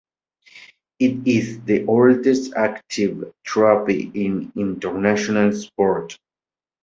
It is the oldest active trophy in international sport.